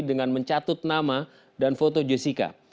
dengan mencatut nama dan foto jessica